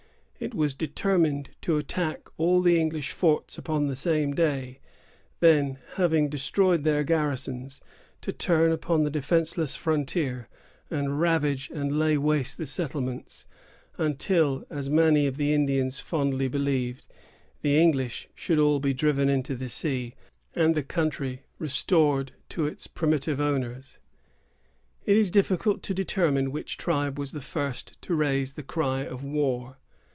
It was determined to attack all the English forts upon the same day; then, having destroyed their garrisons, to turn upon the defenceless frontier, and ravage and lay waste the settlements, until, as many of the Indians fondly believed, the English should all be driven into the sea, and the country restored to its primitive owners. It is difficult to determine which tribe was first to raise the cry of war.